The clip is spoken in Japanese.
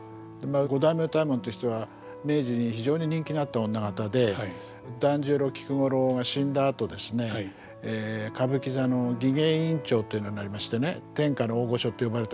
五代目歌右衛門という人は明治に非常に人気のあった女方で團十郎菊五郎が死んだあとですね歌舞伎座の技芸委員長というのになりましてね天下の大御所と呼ばれた人ですから。